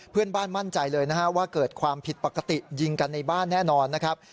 เพื่อนบ้านมั่นใจเลยนะฮะว่าเกิดความผิดปกติยิงกันในบ้านแน่นอนนะครับ